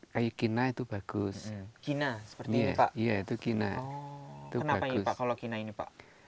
kayak kina itu bagus kina seperti ini pak iya itu kina itu bagus kenapa ini pak kalau kina ini pak